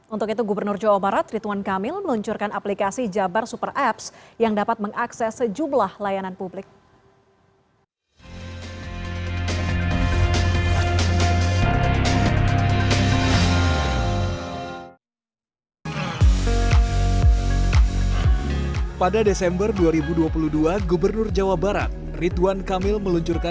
untuk itu gubernur jawa barat ritwan kamil meluncurkan aplikasi jabar super apps yang dapat mengakses sejumlah layanan publik